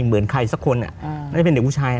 เหมือนใครสักคนไม่ได้เป็นเด็กผู้ชาย